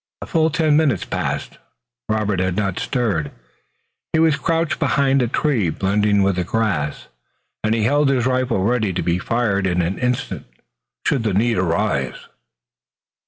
A full ten minutes passed. Robert had not stirred. He was crouched behind the tree, blending with the grass, and he held his rifle ready to be fired in an instant, should the need arise.